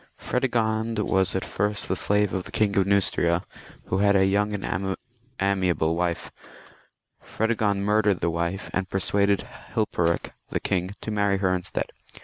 Fredegond was at first the slave of the King of Neustria, who had a young and amiable wife ; Fredegond murdered the wife, and persuaded Hil perik the king to marry her instead.